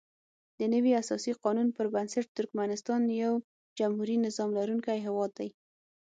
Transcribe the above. دنوي اساسي قانون پر بنسټ ترکمنستان یو جمهوري نظام لرونکی هیواد دی.